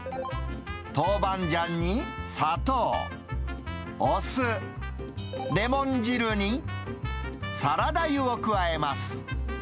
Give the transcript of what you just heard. トウバンジャンに砂糖、お酢、レモン汁にサラダ油を加えます。